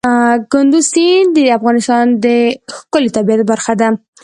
کندز سیند د افغانستان د ښکلي طبیعت برخه ده.